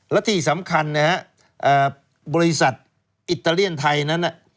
และที่สำคัญนะฮะบริษัทอิตาเลียนไทยนั้น